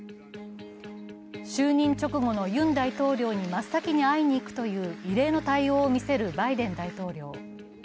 就任直後のユン大統領に真っ先に会いにいくという異例の対応をみせるバイデン大統領。